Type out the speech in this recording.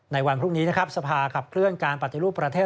ในวันพรุ่งนี้คฑดีขับเคลื่อนการปฎิรูปประเทศ